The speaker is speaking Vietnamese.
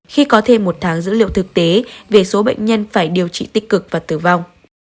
khi có thêm một tháng dữ liệu thực tế về số bệnh nhân phải điều trị tích cực và tử vong